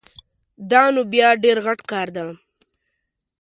دا نو بیا ډېر غټ کار ده